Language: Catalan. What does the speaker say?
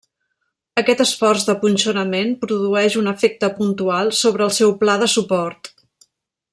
Aquest esforç de punxonament produeix un efecte puntual sobre el seu pla de suport.